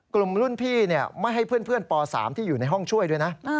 กลุ่มรุ่นพี่ไม่ให้เพื่อนป๓ที่อยู่ในห้องช่วยด้วยนะ